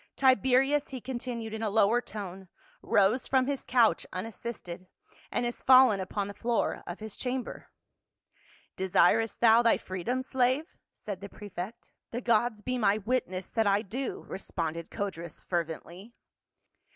" Tibe rius," he continued, in a lower tone, "rose from his couch unassisted, and is fallen upon the floor of his chamber." "Desirest thou thy freedom, slave?" said the prefect. "The gods be my witness that I do," responded Codrus fervently.